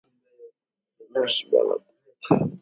Ba mushi bana kuryaka byura